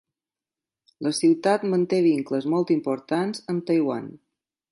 La ciutat manté vincles molt importants amb Taiwan.